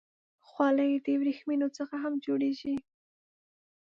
خولۍ د ورېښمو څخه هم جوړېږي.